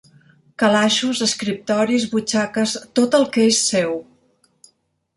Calaixos, escriptoris, butxaques, tot el que és seu.